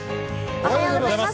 おはようございます。